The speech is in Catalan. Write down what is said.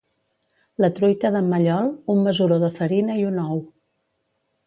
La truita d'en Mallol, un mesuró de farina i un ou.